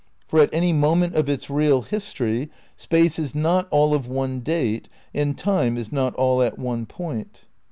For at any moment of its real history Space is not all of one date and Time is not all at one point."